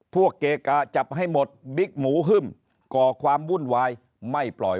พวกเกกะจับให้หมดบิ๊กหมูฮึ่มก่อความวุ่นวายไม่ปล่อย